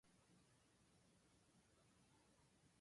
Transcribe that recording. ゼミ行きたくない